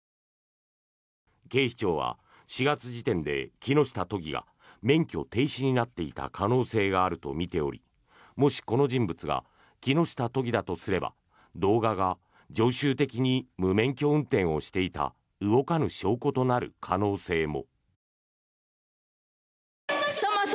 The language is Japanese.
警視庁は４月時点で木下都議が免許停止になっていた可能性があるとみておりもし、この人物が木下都議だとすれば動画が常習的に無免許運転をしていた動かぬ証拠となる可能性も。